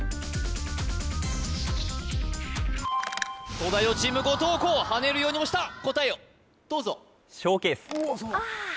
東大王チーム後藤弘はねるように押した答えをどうぞああ！